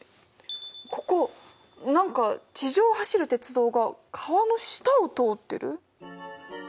ここ何か地上を走る鉄道が川の下を通ってる？